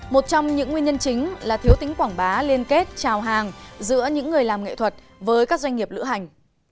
một trong những nguyên nhân chính là thiếu tính quảng bá liên kết trào hàng giữa những người làm nghệ thuật với các doanh nghiệp lữ hành